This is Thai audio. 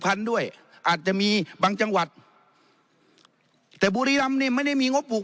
พันธุ์ด้วยอาจจะมีบางจังหวัดแต่บุรีรำเนี่ยไม่ได้มีงบปลูก